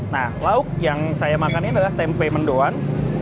nah lauk yang saya makan ini adalah tempe mendoan